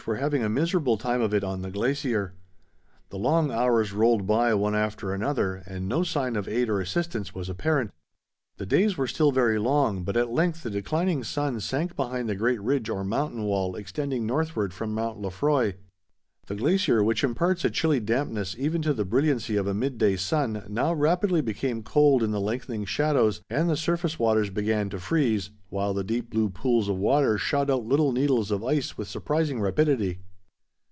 were having a miserable time of it on the glacier. The long hours rolled by one after another and no sign of aid or assistance was apparent. The days were still very long, but at length the declining sun sank behind the great ridge or mountain wall extending northward from Mount Lefroy. The glacier which imparts a chilly dampness even to the brilliancy of a mid day sun now rapidly became cold in the lengthening shadows, and the surface waters began to freeze, while the deep blue pools of water shot out little needles of ice with surprising rapidity.